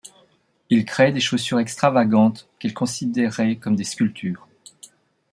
Il crée des chaussures extravagantes qu'il considérait comme des sculptures.